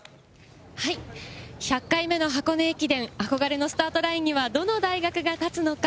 １００回目の箱根駅伝、憧れのスタートラインにはどの大学が立つのか。